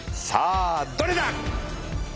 さあどれだ？